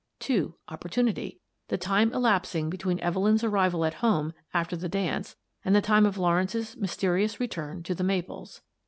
(2) Opportunity: The time elapsing between Evelyn's arrival at home after the dance and the time of Lawrence's mysterious return to "The Maples."